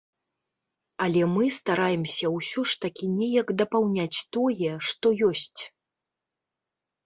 Але мы стараемся ўсё ж такі неяк дапаўняць тое, што ёсць.